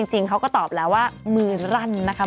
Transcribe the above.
จริงเขาก็ตอบแล้วว่ามือรั่นนะคะ